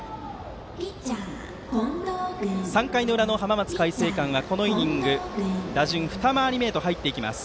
３回の裏の浜松開誠館はこのイニング打順は二回り目へと入っていきます。